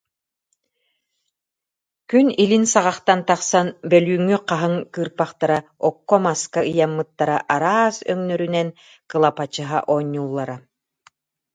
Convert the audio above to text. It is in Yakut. Күн илин саҕахтан тахсан, бөлүүҥҥү хаһыҥ кыырпахтара окко-маска ыйаммыттара араас өҥнөрүнэн кылапачыһа оонньууллара